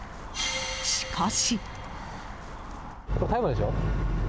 しかし。